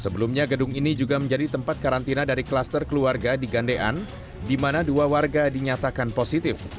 sebelumnya gedung ini juga menjadi tempat karantina dari kluster keluarga di gandean di mana dua warga dinyatakan positif